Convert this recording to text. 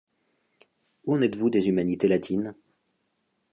Où en êtes-vous des humanités latines?